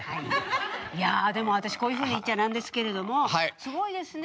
いやでも私こういうふうに言っちゃなんですけれどもすごいですね